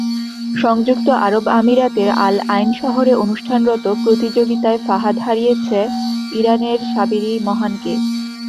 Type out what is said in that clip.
সংযুক্ত আরব আমিরাতের আল-আইন শহরে অনুষ্ঠানরত প্রতিযোগিতায় ফাহাদ হারিয়েছে ইরানের সাবেরি মহানকে।